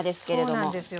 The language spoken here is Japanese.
そうなんですよね。